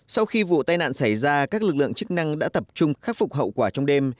sau khi vụ tai nạn xảy ra các lực lượng chức năng đã tập trung khắc phục hậu quả trong đêm